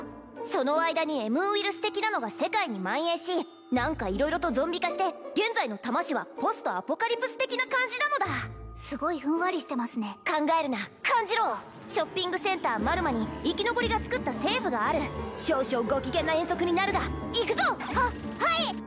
その間にＭウイルス的なのが世界にまん延し何か色々とゾンビ化して現在の多魔市はポストアポカリプス的な感じなのだすごいふんわりしてますね考えるな感じろショッピングセンターマルマに生き残りがつくった政府がある少々ご機嫌な遠足になるが行くぞははい！